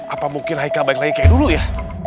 apa mungkin haikal balik lagi kaya dulu ya